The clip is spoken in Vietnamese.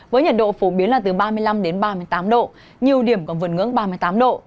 với nhiệt độ phổ biến là từ ba mươi năm đến ba mươi tám độ nhiều điểm còn vượt ngưỡng ba mươi tám độ